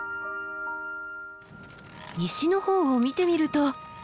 西の方を見てみると。